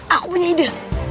aku punya ide